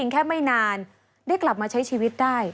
แค่ไม่นานได้กลับมาใช้ชีวิตได้